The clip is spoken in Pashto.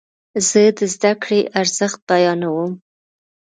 زه د زده کړې ارزښت بیانوم.